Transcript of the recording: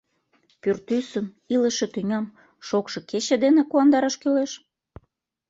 Пӱртӱсым, илыше тӱням шокшо кече дене куандараш кӱлеш?